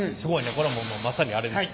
これはもうまさにあれです。